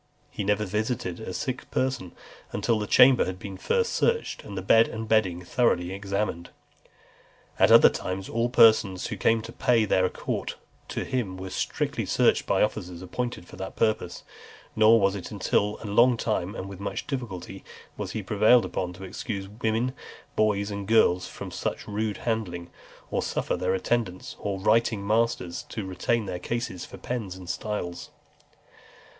He never visited a sick person, until the chamber had been first searched, and the bed and bedding thoroughly examined. At other times, all persons who came to pay their court to him were strictly searched by officers appointed for that purpose; nor was it until after a long time, and with much difficulty, that he was prevailed upon to excuse women, boys, and girls from such rude handling, or suffer their attendants or writing masters to retain their cases for pens and styles.